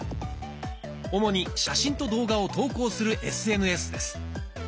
主に写真と動画を投稿するＳＮＳです。